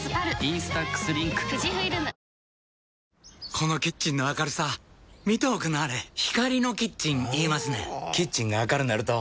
このキッチンの明るさ見ておくんなはれ光のキッチン言いますねんほぉキッチンが明るなると・・・